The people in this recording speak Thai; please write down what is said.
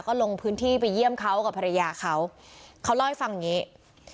ก็ลงพื้นที่ไปเยี่ยมเขากับภรรยาเขาเขาเล่าให้ฟังอย่างงี้